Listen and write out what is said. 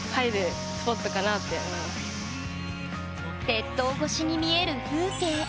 鉄塔越しに見える風景。